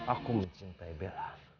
aku mencintai bella